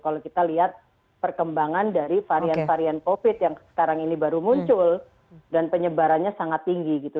kalau kita lihat perkembangan dari varian varian covid yang sekarang ini baru muncul dan penyebarannya sangat tinggi gitu